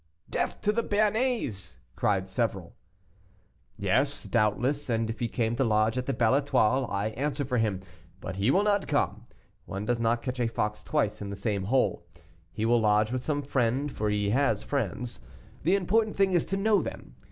"Death to the Béarnais!" cried several. "Yes, doubtless, and if he came to lodge at the Belle Etoile, I answer for him; but he will not come. One does not catch a fox twice in the same hole. He will lodge with some friend, for he has friends. The important thing is to know them.